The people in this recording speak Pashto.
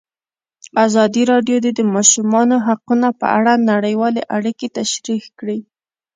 ازادي راډیو د د ماشومانو حقونه په اړه نړیوالې اړیکې تشریح کړي.